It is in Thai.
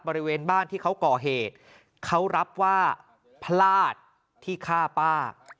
บริเวณบ้านที่เขาก่อเหตุเขารับว่าพลาดที่ฆ่าป้า